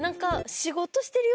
仕事してるんだよ